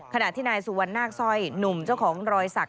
ขณะที่นายสุวรรณาคสร้อยหนุ่มเจ้าของรอยสัก